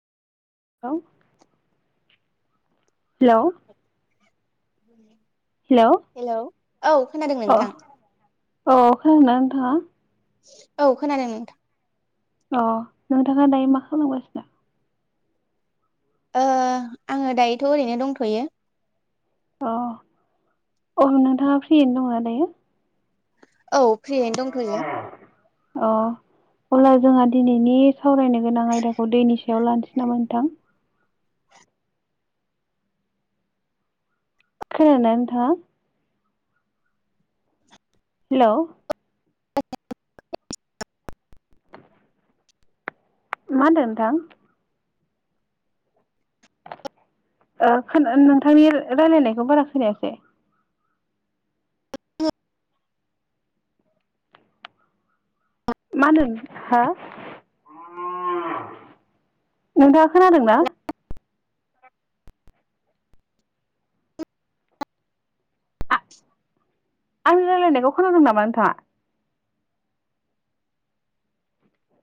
hello हेल' [inaudible] हेल' hello औ खोनादों नोंथां औ खोनादोंना नोंथाङा औ खोनादों नोंथां अ नोंथाङा दायो मा खालामगासिनो ओ आङो दायोथ' ओरैनो दंथ'यो अ अ नोंथाङा फ्रियैनो दङ दायो औ फ्रियैनो दंथ'यो आं अब्ला जोंङा दिनैनि सावरायनो गोनां आयदाखौ दैनि सायाव लानोसै नामा नोंथां खोनादों ना नोंथाङा हेल' मा होनदों नोंथां नोंथांनि रायलायनायखौ बारा खोनायाखै मा होनदों हा नोंथाङा खोनादोंना आंनि रायज्लायनायखौ खोनादों नामा नोंथाङा